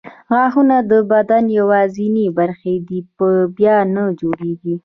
غاښونه د بدن یوازیني برخې دي چې بیا نه جوړېږي.